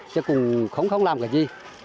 chứ cũng không làm cái gì